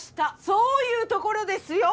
そういうところですよ。